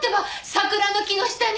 桜の木の下に。